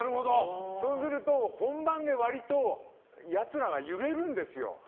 そうすると、本番で割とやつらが揺れるんですよ。